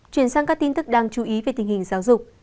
chuyển sang các tin tức đáng chú ý về tình hình giáo dục